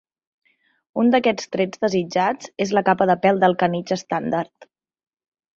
Un d'aquests trets desitjats és la capa de pèl del canitx estàndard.